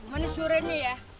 mana suruhnya ya